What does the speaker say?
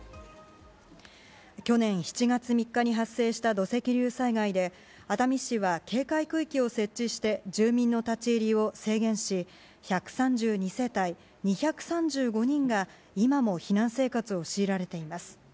去年７月３日に発生した土石流災害で、熱海市は警戒区域を設置して住民の立ち入りを制限し、１３２世帯２３５人が今も避難生活を強いられています。